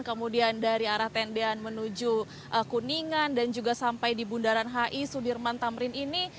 kemudian dari arah tendean menuju kuningan dan juga sampai di bundaran hi sudirman tamrin ini